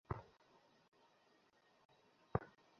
আফসার সাহেবের রাগ ক্রমেই বাড়ছে।